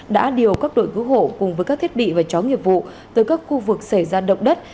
đã điều các đội cứu hộ cùng với các thiết bị và chó nghiệp vụ tới các khu vực xảy ra động đất